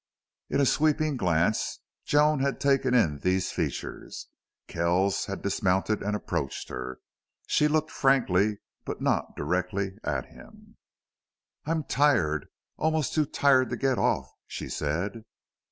In a sweeping glance Joan had taken in these features. Kells had dismounted and approached her. She looked frankly, but not directly, at him. "I'm tired almost too tired to get off," she said.